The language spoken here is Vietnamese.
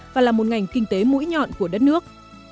và là một ngành kinh tế mũi nhọn của đất nước